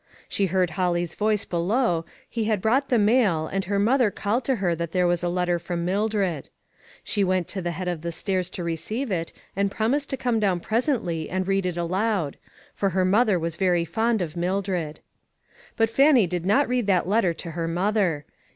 She heard Holly's voice below; he had brought the mail, and her mother called to her that there was a let ter from Mildred. She went to the head of the stairs to receive it, and promised to come down presently and read it aloud ; for her mother was very fond of Mildred. But Fannie did not read that letter to her mother.